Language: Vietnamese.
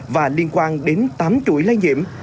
và liên quan đến tám chuỗi lây nhiễm